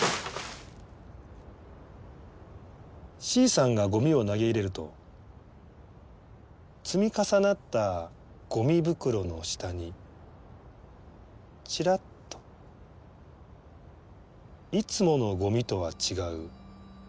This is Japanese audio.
Ｃさんがゴミを投げ入れると積み重なったゴミ袋の下にチラッとが見えたんです。